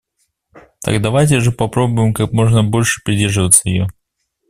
Так давайте же попробуем как можно больше придерживаться ее.